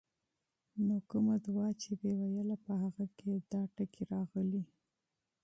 نو کومه دعاء چې به ئي ويله، په هغې کي دا الفاظ راغلي: